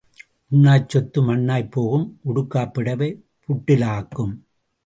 உண்ணாச் சொத்து மண்ணாய்ப் போகும், உடுக்காப் புடைவை புட்டிலாக்கும்.